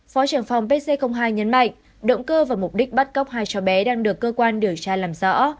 phó trưởng phòng pc hai nhấn mạnh động cơ và mục đích bắt cóc hai cho bé đang được cơ quan điều tra làm rõ